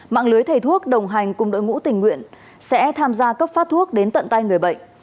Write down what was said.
mạng lưới thầy thuốc đồng hành cùng đội ngũ tình nguyện sẽ tham gia cấp phát thuốc đến tận tay người bệnh